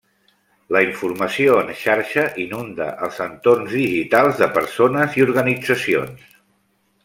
La informació en xarxa inunda els entorns digitals de persones i organitzacions.